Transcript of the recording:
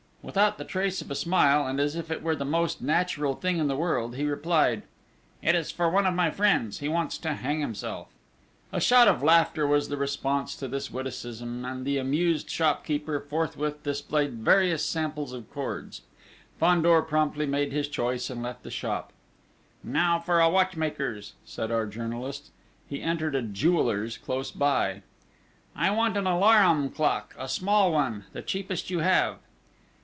Without the trace of a smile, and as if it were the most natural thing in the world, he replied: "It is for one of my friends: he wants to hang himself!" A shout of laughter was the response to this witticism, and the amused shopkeeper forthwith displayed various samples of cords. Fandor promptly made his choice and left the shop. "Now for a watchmaker's!" said our journalist. He entered a jeweller's close by: "I want an alarum clock a small one the cheapest you have!"